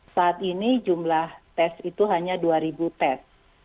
saat ini jumlah tes itu hanya dua ribu tes